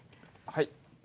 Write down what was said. はい。